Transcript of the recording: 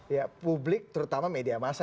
rifana pratiwi jakarta